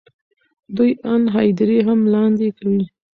دوی آن هدیرې هم لاندې کوي.